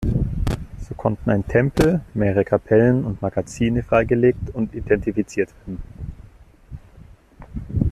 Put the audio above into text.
So konnten ein Tempel, mehrere Kapellen und Magazine freigelegt und identifiziert werden.